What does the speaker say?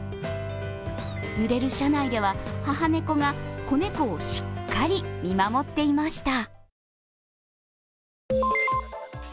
揺れる車内では母猫が子猫をしっかり見守っていました。